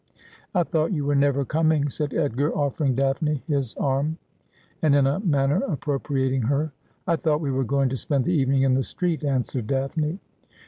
' I thought you were never coming,' said Edgar, offering Daphne his arm, and in a manner appropriating her. ' I thought we were going to spend the evening in the street,' answered Daphne.